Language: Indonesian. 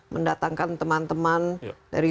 mendatangkan teman teman dari